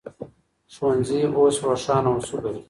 ښوونځي اوس روښانه اصول لري.